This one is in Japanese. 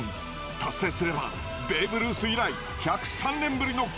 達成すればベーブ・ルース以来１０３年ぶりの快挙です。